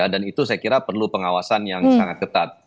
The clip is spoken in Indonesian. dan itu saya kira perlu pengawasan yang sangat ketat